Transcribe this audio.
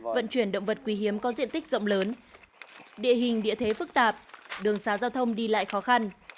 vận chuyển động vật quý hiếm có diện tích rộng lớn địa hình địa thế phức tạp đường xá giao thông đi lại khó khăn